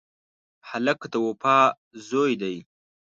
هلک د وفا زوی دی.